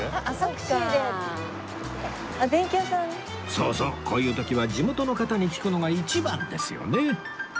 そうそうこういう時は地元の方に聞くのが一番ですよね！